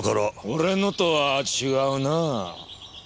俺のとは違うなぁ。